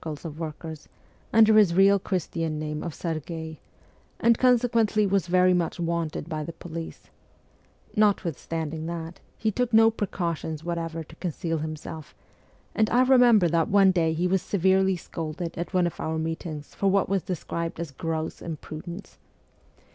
PETERSBURG 111 of workers, under his real Christian name of Serghei, and consequently was very much wanted by the police ; notwithstanding that, he took no precautions whatever to conceal himself, and I remember that one day he was severely scolded at one of our meetings for what was described as a gross imprudence.